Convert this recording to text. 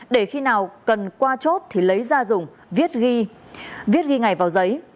để khi nào cần qua chốt thì lấy ra dùng viết ghi ngày vào giấy